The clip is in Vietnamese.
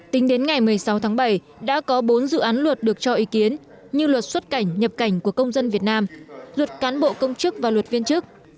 tính đến ngày một mươi sáu tháng bảy đã có bốn dự án luật được cho ý kiến như luật xuất cảnh nhập cảnh của công dân việt nam luật cán bộ công chức và luật viên chức